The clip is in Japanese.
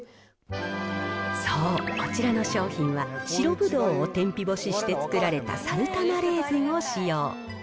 そう、こちらの商品は、白ブドウを天日干しして作られたサルタナレーズンを使用。